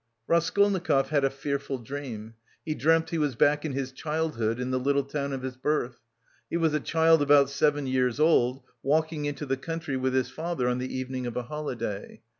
Raskolnikov had a fearful dream. He dreamt he was back in his childhood in the little town of his birth. He was a child about seven years old, walking into the country with his father on the evening of a holiday.